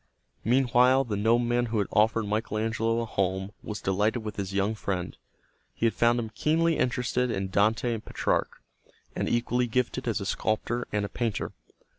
Meanwhile the nobleman who had offered Michael Angelo a home was delighted with his young friend. He found him keenly interested in Dante and Petrarch, and equally gifted as a sculptor and painter.